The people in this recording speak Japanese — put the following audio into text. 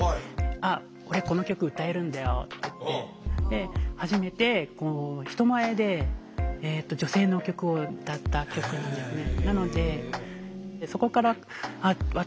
「あっ俺この曲歌えるんだよ」って言って初めて人前でえっと女性の曲を歌った曲なんですね。